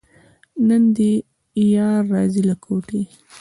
نن دې یار راځي له کوټې.